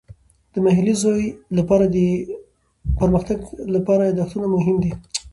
د محلي زوی لپاره د پرمختګ لپاره یادښتونه مهم دي.